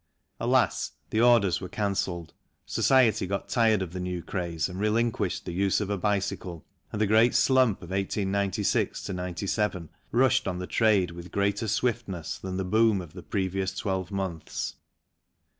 Alas, the orders were cancelled, society got tired of the new craze and relinquished the use of a bicycle, and the great slump of 1896 97 rushed on the trade with greater swiftness than the boom of the previous twelve months.